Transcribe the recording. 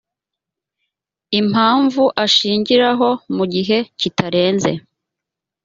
impamvu ashingiraho mu gihe kitarenze